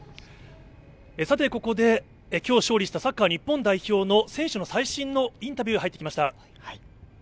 ここで、今日勝利したサッカー日本代表の選手の最新のインタビューが入ってきました。